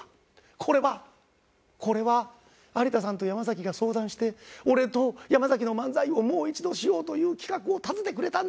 これはこれは有田さんと山崎が相談して俺と山崎の漫才をもう一度しようという企画を立ててくれたんだ。